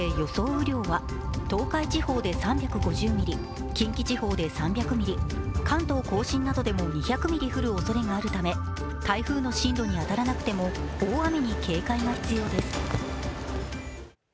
雨量は東海地方で３５０ミリ、近畿地方で３００ミリ、関東甲信などでも２００ミリ降るおそれがあるため台風の進路に当たらなくても大雨に警戒が必要です。